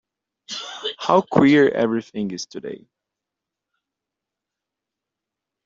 How queer everything is to-day!